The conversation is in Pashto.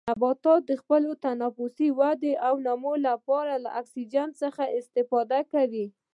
نباتات د خپل تنفس، ودې او نمو لپاره له اکسیجن څخه استفاده کوي.